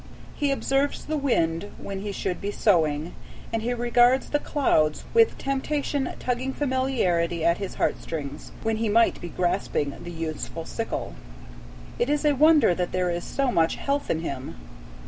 He observes the wind when he should be sowing, and he regards the clouds, with temptation tugging familiarly at his heartstrings, when he might be grasping the useful sickle. It is a wonder that there is so much health in him.